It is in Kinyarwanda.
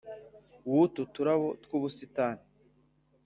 w' utu turabo tw' ubusitani